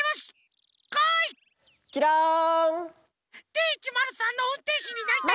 Ｄ１０３のうんてんしになりたい！